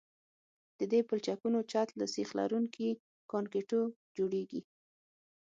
د دې پلچکونو چت له سیخ لرونکي کانکریټو جوړیږي